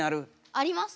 あります。